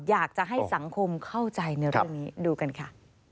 อยากจะให้สังคมเข้าใจในเรื่องนี้ดูกันค่ะ